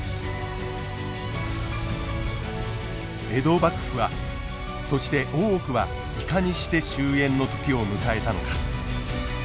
江戸幕府はそして大奥はいかにして終えんの時を迎えたのか。